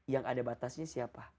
yang ada batasnya siapa